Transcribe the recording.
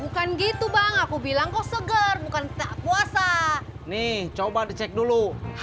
bukan gitu bang aku bilang kau seger bukan puasa nih coba dicek dulu